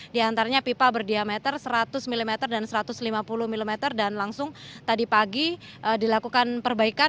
di antaranya pipa berdiameter seratus mm dan satu ratus lima puluh mm dan langsung tadi pagi dilakukan perbaikan